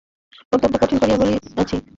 অত্যন্ত কঠিন করিয়া বলিয়াছি।